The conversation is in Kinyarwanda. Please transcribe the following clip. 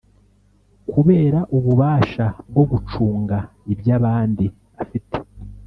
Kubera ububasha bwo gucunga iby abandi afite